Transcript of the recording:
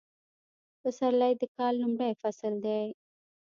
پسرلی د کال لومړی فصل دی